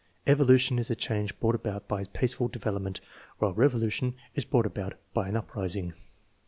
"Evo lution is a change brought about by peaceful development, while revolution is brought about by an uprising."